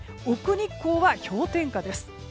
日光は氷点下です。